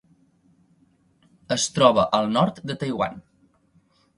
Es troba al nord de Taiwan.